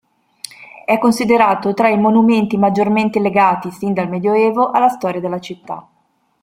È considerato tra i monumenti maggiormente legati, sin dal Medioevo, alla storia della città.